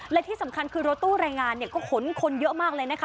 และที่สำคัญคือรถตู้แรงงานเนี่ยก็ขนคนเยอะมากเลยนะคะ